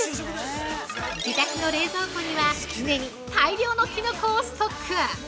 自宅の冷蔵庫には常に大量のきのこをストック！